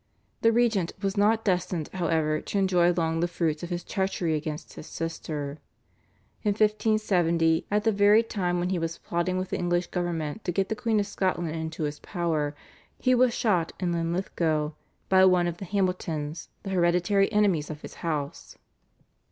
The regent was not destined however to enjoy long the fruits of his treachery against his sister. In 1570, at the very time when he was plotting with the English government to get the Queen of Scotland into his power, he was shot in Linlithgow by one of the Hamiltons, the hereditary enemies of his house.